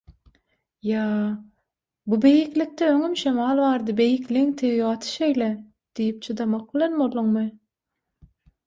Ýa “bu beýiklikde öňem şemal bardy, beýikligiň tebigaty şeýle” diýip çydamak bilen bolduňmy?